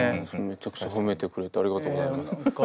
めちゃくちゃ褒めてくれてありがとうございます。